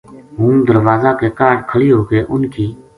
ہوں دروازہ کے کاہڈ کھلی ہو کے اُنھ کی